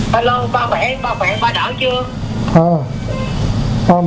bây giờ ba giữ sức khỏe nha